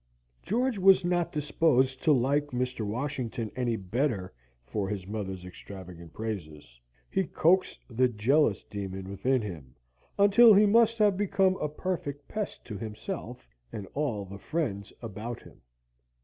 George was not disposed to like Mr. Washington any better for his mother's extravagant praises. He coaxed the jealous demon within him until he must have become a perfect pest to himself and all the friends round about him.